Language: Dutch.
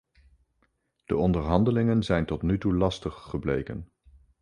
De onderhandelingen zijn tot nu toe lastig gebleken.